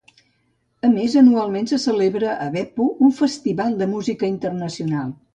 A més anualment se celebra a Beppu un festival de música internacional.